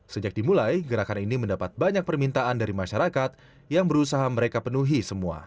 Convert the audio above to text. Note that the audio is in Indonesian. sejak dimulai gerakan ini mendapat banyak permintaan dari masyarakat yang berusaha mereka penuhi semua